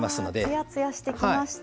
ツヤツヤしてきました。